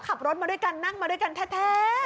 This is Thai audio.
ขับรถมาด้วยกันนั่งมาด้วยกันแท้